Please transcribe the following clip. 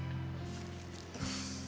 aku juga maunya kagum sama kamu